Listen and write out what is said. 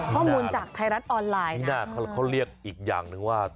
ข้อมูลจากไทยรัฐออนไลน์ที่น่าเขาเรียกอีกอย่างหนึ่งว่า